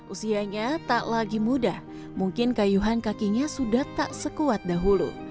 usianya tak lagi muda mungkin kayuhan kakinya sudah tak sekuat dahulu